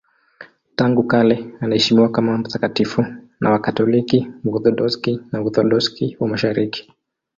Tangu kale anaheshimiwa kama mtakatifu na Wakatoliki, Waorthodoksi na Waorthodoksi wa Mashariki.